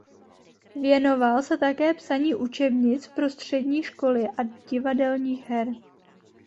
Věnoval se také psaní učebnic pro střední školy a divadelních her.